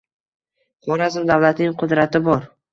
Xorazm davlatining qudrati bor.